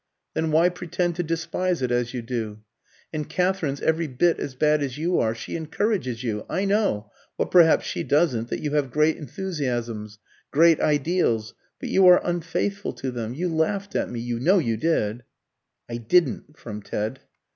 Then why pretend to despise it as you do? And Katherine's every bit as bad as you are, she encourages you. I know what perhaps she doesn't that you have great enthusiasms, great ideals; but you are unfaithful to them. You laughed at me; you know you did " ("I didn't," from Ted.)